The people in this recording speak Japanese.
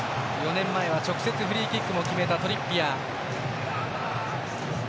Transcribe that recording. ４年前は直接、フリーキックも決めたトリッピアー。